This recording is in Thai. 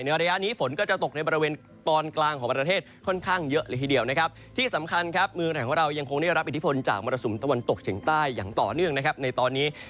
ระยะนี้ฝนก็จะตกในบริเวณตอนกลางของประเทศค่อนข้างเยอะเลยทีเดียวนะครับที่สำคัญครับเมืองไหนของเรายังคงได้รับอิทธิพลจากมรสุมตะวันตกเฉียงใต้อย่างต่อเนื่องนะครับในตอนนี้